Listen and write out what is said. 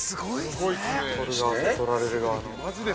撮る側と撮られる側の。